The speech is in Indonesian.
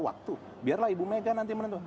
waktu biarlah ibu mega nanti menentu